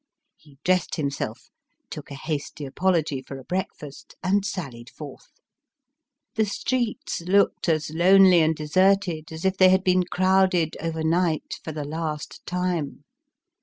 He dressed himself, took a hasty apology for a breakfast, and sallied forth. The streets looked as lonely and deserted as if they had been crowded, overnight, for the last time.